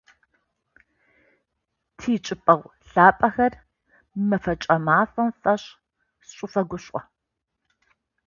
Тичӏыпӏэгъу лъапӏэхэр, мы мэфэкӏ мафэм фэшӏ сышъуфэгушӏо!